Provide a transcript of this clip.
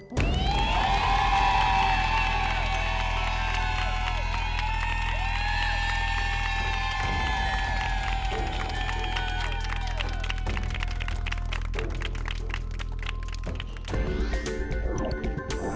โปรดติดตามตอนต่อไป